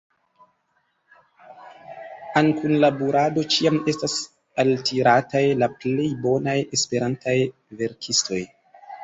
Al kunlaborado ĉiam estas altirataj la plej bonaj esperantaj verkistoj.